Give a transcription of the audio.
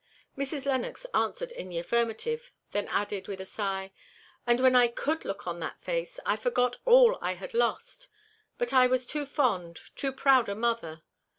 Mrs. Lennox answered in the affirmative; then added, with a sigh, "And when I could look on that face, I forgot all I had lost; but I was too fond, too proud a mother.